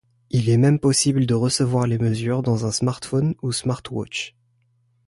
Il est même possible de recevoir les mesures dans un smartphone ou smartwatch.